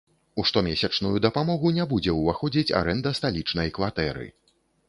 У штомесячную дапамогу не будзе ўваходзіць арэнда сталічнай кватэры.